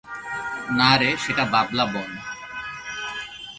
না রে সেটা বাবলা বন।